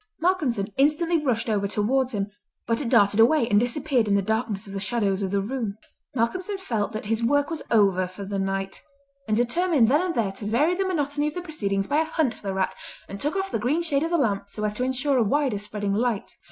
Malcolmson instantly rushed over towards him, but it darted away and disappeared in the darkness of the shadows of the room. Malcolmson felt that his work was over for the night, and determined then and there to vary the monotony of the proceedings by a hunt for the rat, and took off the green shade of the lamp so as to insure a wider spreading light.